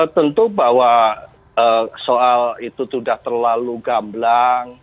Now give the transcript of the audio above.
tentu bahwa soal itu sudah terlalu gamblang